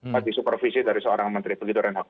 tapi supervisi dari seorang menteri begitu renha